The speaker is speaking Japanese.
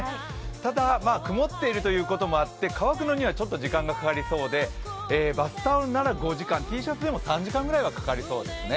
ただ、曇っているということもあって乾くのには時間がかかりそうでバスタオルなら５時間、Ｔシャツなら３時間で乾きそうですね。